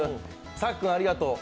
さっくん、ありがとう。